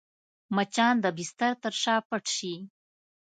مچان د بستر تر شا پټ شي